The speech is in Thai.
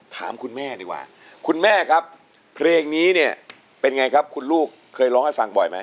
ถามคุณแม่ดีกว่าคุณแม่ครับเพลงนี้เนี่ยเป็นไงครับคุณลูกเคยร้องให้ฟังบ่อยไหม